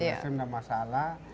maksudnya tidak masalah